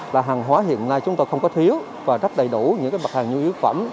là hàng hóa hiện nay chúng tôi không có thiếu và rất đầy đủ những mặt hàng nhu yếu phẩm